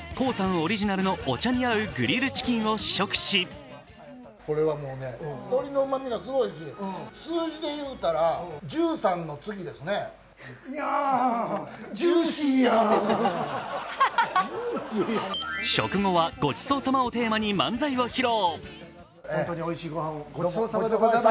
オリジナルのお茶に合うグリルチキンを試食し食後はごちそうさまをテーマに漫才を披露。